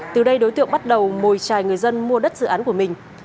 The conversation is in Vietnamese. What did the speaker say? từ đây đối tượng bắt đầu mồi trài người dân mua đất dự án của mình